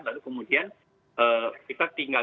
lalu kemudian kita tinggal